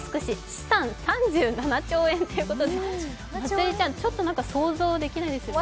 資産３７兆円ということでまつりちゃん、ちょっと想像できないですよね。